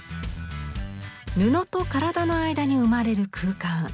布と体の間に生まれる空間。